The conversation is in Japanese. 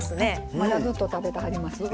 まだずっと食べてはります。